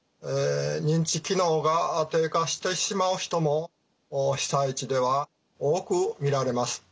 認知機能が低下してしまう人も被災地では多く見られます。